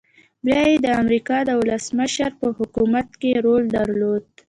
بيا يې د امريکا د ولسمشر په حکومت کې رول درلود.